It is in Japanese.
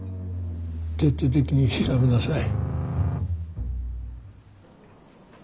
徹底的に調べなさい。